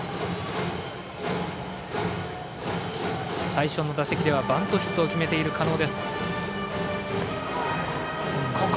最初の打席ではバントヒットを決めている狩野。